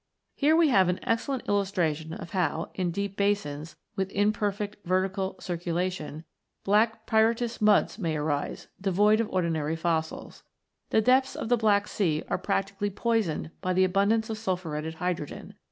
Here we have an excellent illustration of how, in deep basins, with imperfect vertical circulation, black pyritous muds may arise, devoid of ordinary fossils. The depths of the Black Sea are practically poisoned by the abundance of sulphuretted hydrogen.